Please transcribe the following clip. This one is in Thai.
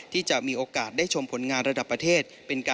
ที่จะมีโอกาสได้ชมผลงานระดับประเทศ